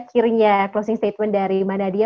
akhirnya closing statement dari mbak nadia